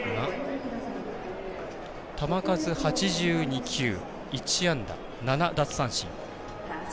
球数８２球、１安打、７奪三振。